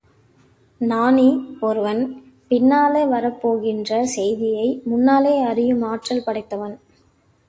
ஞானி ஒருவன் பின்னாலே வரப் போகின்ற செய்திகளை முன்னாலே அறியும் ஆற்றல் படைத்தவத்தவன்.